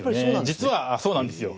実はそうなんですよ。